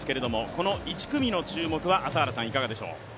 この１組の注目は、いかがでしょう？